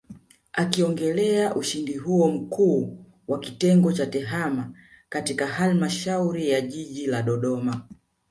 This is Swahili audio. Akiongelea ushindi huo Mkuu wa Kitengo cha Tehama katika Halmashauri ya Jiji la Dodoma